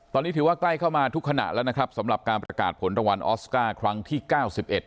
ตอนนี้ถือว่าใกล้เข้ามาทุกขณะแล้วนะครับสำหรับการประกาศผลรางวัลออสการ์ครั้งที่เก้าสิบเอ็ด